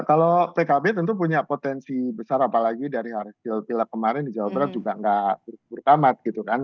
kalau pkb tentu punya potensi besar apalagi dari hasil pil kemarin di jawa barat juga nggak berkamat gitu kan